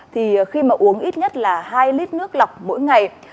thì khi mà uống ít nhất là hai lít nước lọc mỗi ngày